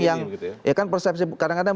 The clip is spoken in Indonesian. yang ya kan persepsi kadang kadang